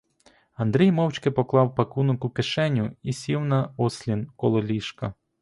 Андрій мовчки поклав пакунок у кишеню і сів на ослін коло ліжка.